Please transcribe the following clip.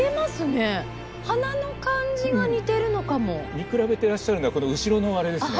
見比べていらっしゃるのはこの後ろのあれですね。